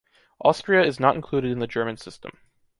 Austria is not included in the German system.